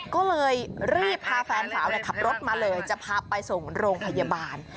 ก็เลยรีบพาแฟนสาวขับรถมาเลยจะพาไปส่งโรงพยาบาล